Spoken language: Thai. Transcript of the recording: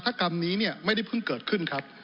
ถ้ากรรมนี้เนี่ยไม่ได้เพิ่งเกิดขึ้นครับ